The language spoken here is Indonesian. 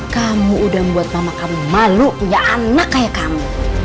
kamu udah membuat mama kamu malu ya anak kayak kamu